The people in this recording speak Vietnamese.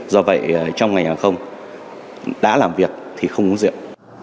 do vậy trong ngành hàng không đã làm việc thì không uống rượu